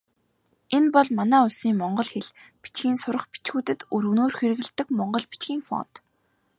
Энэ бол манай улсын монгол хэл, бичгийн сурах бичгүүдэд өргөнөөр хэрэглэдэг монгол бичгийн фонт.